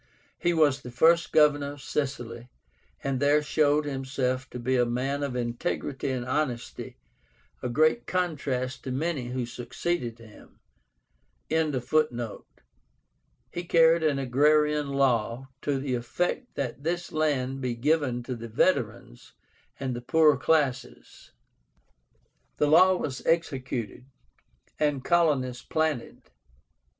He was the first Governor of Sicily, and there showed himself to be a man of integrity and honesty, a great contrast to many who succeeded him.) carried an agrarian law, to the effect that this land be given to the veterans and the poorer classes. The law was executed, and colonies planted.